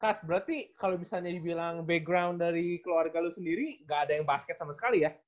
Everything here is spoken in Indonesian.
kas berarti kalau misalnya dibilang background dari keluarga lu sendiri gak ada yang basket sama sekali ya